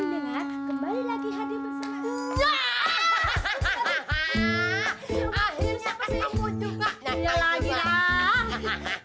akhirnya aku mau juga punya lagi nak